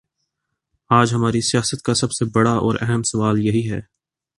آج ہماری سیاست کا سب سے بڑا اور اہم سوال یہی ہے؟